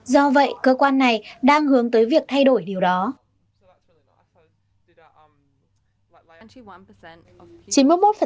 do vậy cơ quan này đang hướng tới việc thay đổi điều đó